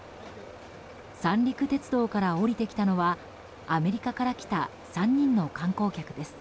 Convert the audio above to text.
三陸鉄道から降りてきたのはアメリカから来た３人の観光客です。